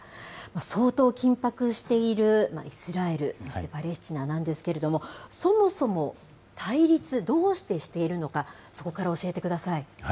相当緊迫しているイスラエル、そしてパレスチナなんですけれども、そもそも対立、どうしてしているのか、そこから教えてください。